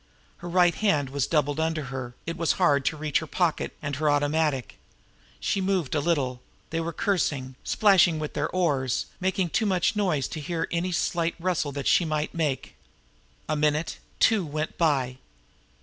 Her right hand was doubled under her, it was hard to reach her pocket and her automatic. She moved a little; they were cursing, splashing with their oars, making too much noise to hear any slight rustle that she might make. A minute, two, went by.